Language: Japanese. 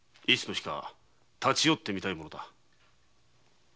いつの日か立ち寄ってみたいものだ。